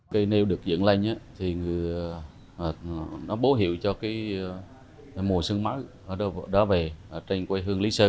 cây nêu được dựng lên thì nó bố hiệu cho mùa sương mát đó về trên quê hương lý sơn